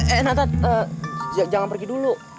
eh nata jangan pergi dulu